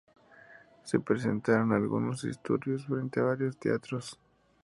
Se presentaron algunos disturbios frente a varios teatros.